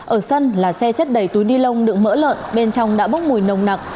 ở sân là xe chất đầy túi đi lông đựng mỡ lợn bên trong đã bốc mùi nồng nặc